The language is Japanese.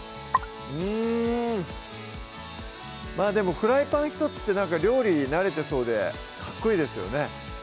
うんまぁでもフライパンひとつって料理に慣れてそうでかっこいいですよね